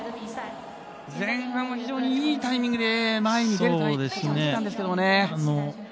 前半は非常に良いタイミングで前に出ていたんですけどね。